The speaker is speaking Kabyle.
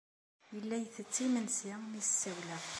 Yella itett imensi mi as-sawleɣ.